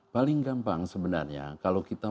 paling gampang sebenarnya kalau kita